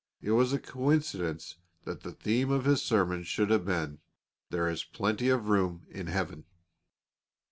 It was a coincidence that the theme of his sermon should have been, "There is plenty of room in Heaven."